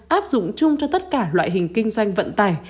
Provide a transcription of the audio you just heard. áp dụng chung cho tất cả loại hình kinh doanh vận tải